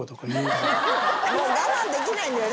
我慢できないんだよね。